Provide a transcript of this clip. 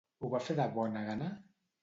Ho va fer de bona gana?